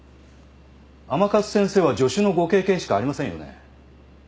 甘春先生は助手のご経験しかありませんよね。